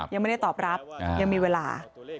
ยังไม่ได้ตอบรับยังมีเวลา